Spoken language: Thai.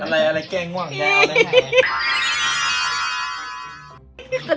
อะไรแก้ง่วงแกได้ไง